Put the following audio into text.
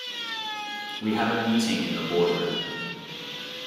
We have a meeting in the boardroom.